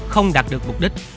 không đạt được mục đích